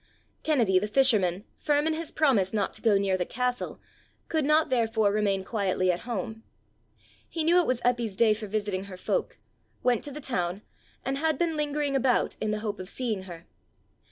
Kennedy, the fisherman, firm in his promise not to go near the castle, could not therefore remain quietly at home: he knew it was Eppy's day for visiting her folk, went to the town, and had been lingering about in the hope of seeing her.